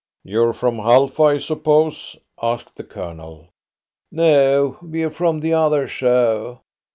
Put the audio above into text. "You're from Halfa, I suppose?" asked the Colonel. "No, we're from the other show.